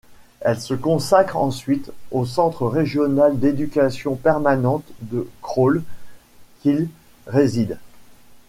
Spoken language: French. Il se consacre ensuite au Centre régional d'éducation permanente de Crolles qu'il préside.